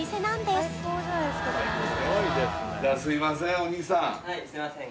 すいません